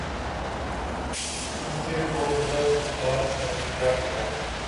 انڈے کو نظر انداز کر دیا گیا